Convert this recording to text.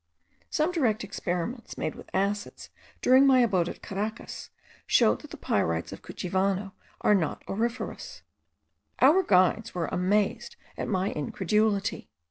Some direct experiments, made with acids, during my abode at Caracas, showed that the pyrites of Cuchivano are not auriferous. Our guides were amazed at my incredulity.